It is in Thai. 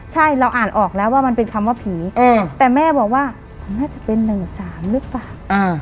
ใช่เราอ่านออกแล้วว่ามันเป็นคำว่าผีเออแต่แม่บอกว่าอ๋อน่าจะเป็นหนึ่งสามหรือเปล่าอ่า